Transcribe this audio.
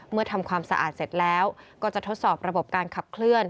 ทำความสะอาดเสร็จแล้วก็จะทดสอบระบบการขับเคลื่อน